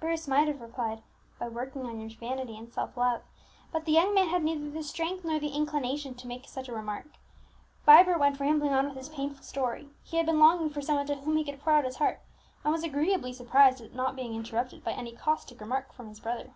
Bruce might have replied "By working on your vanity and self love;" but the young man had neither the strength nor the inclination to make such a remark. Vibert went rambling on with his painful story; he had been longing for some one to whom he could pour out his heart, and was agreeably surprised at not being interrupted by any caustic remark from his brother.